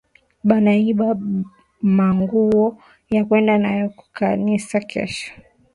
Bana iba ma nguwo ya kwenda nayo kukanisa kesho